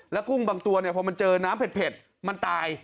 กุ้งบางตัวพอมันเจอน้ำเผ็ดมันตาย